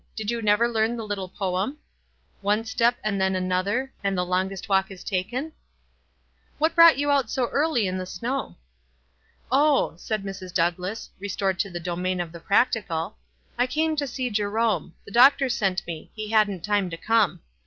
Did you never learn the little poem, —"' One step and then another, And the longest walk is taken ?' "AYhat brought you out so early in the snow?" "Oh," said Mrs. Douglass, restored to the domain of the practical, "I came to see Jerome. The doctor sent me ; he hadn't time to come.